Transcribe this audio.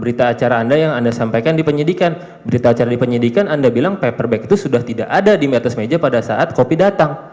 berita acara anda yang anda sampaikan di penyidikan berita acara di penyidikan anda bilang paper bag itu sudah tidak ada di atas meja pada saat kopi datang